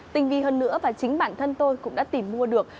tinh vi hơn nữa và chính bản thân tôi cũng đã tìm mua được